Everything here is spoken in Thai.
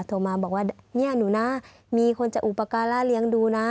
โทรมาบอกว่าเนี่ยหนูนะมีคนจะอุปการล่าเลี้ยงดูนะ